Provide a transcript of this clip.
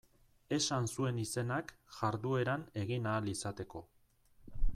Esan zuen izenak jardueran egin ahal izateko.